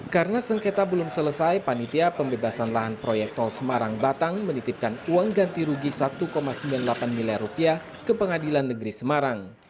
karena sengketa belum selesai panitia pembebasan lahan proyek tol semarang batang menitipkan uang ganti rugi rp satu sembilan puluh delapan miliar ke pengadilan negeri semarang